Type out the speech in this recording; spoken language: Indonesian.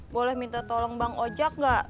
boleh minta tolong bang ojak enggak